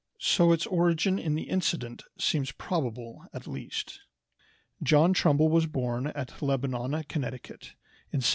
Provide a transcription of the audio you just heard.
So its origin in the incident seems probable at least. John Trumbull was born at Lebanon, Connecticut, in 1756.